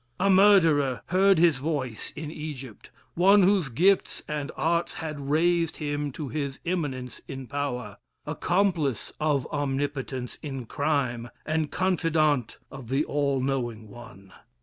A murderer heard His voice in Egypt, one whose gifts and arts Had raised him to his eminence in power, Accomplice of omnipotence in crime, And confidant of the all knowing one.